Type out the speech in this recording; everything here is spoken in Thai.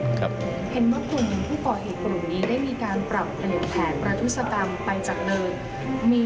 เห็นว่ากลุ่มผู้ก่อเหตุกลุ่มนี้ได้มีการปรับเปลี่ยนแผนประทุศกรรมไปจากเดิม